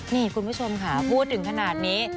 นี่คุณผู้ชมค่ะพูดถึงขนาดนี้